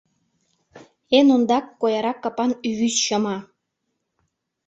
Эн ондак коярак капан Ӱвӱсь чыма.